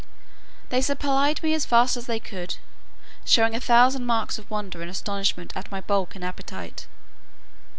They supplied me as fast as they could, showing a thousand marks of wonder and astonishment at my bulk and appetite.